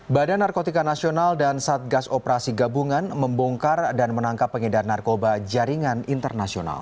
badan narkotika nasional dan satgas operasi gabungan membongkar dan menangkap pengedar narkoba jaringan internasional